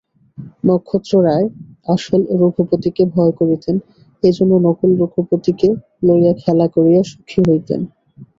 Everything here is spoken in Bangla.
নক্ষত্ররায় আসল রঘুপতিকে ভয় করিতেন, এইজন্য নকল রঘুপতিকে লইয়া খেলা করিয়া সুখী হইতেন।